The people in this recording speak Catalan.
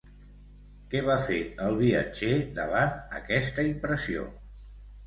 Què va fer, el viatger, davant aquesta impressió?